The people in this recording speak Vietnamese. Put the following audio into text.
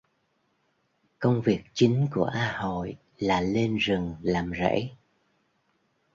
Công việc chính của A Hội là lên rừng làm rẫy